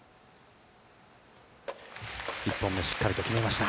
１本目、しっかりと決めました。